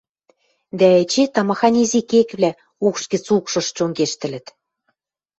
дӓ эче тамаханьы изи кеквлӓ укш гӹц укшыш чонгештӹлӹт.